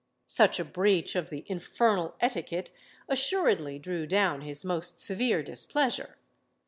Such a breach of the infernal etiquette assuredly drew down his most severe displeasure.